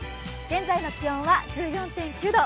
現在の気温は１４．９度。